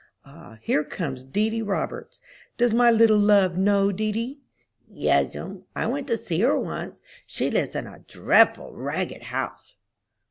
Ah, here comes Dedy Roberts; does my little love know Dedy?" "Yes'm, I went to see her once; she lives in a dreadful ragged house!"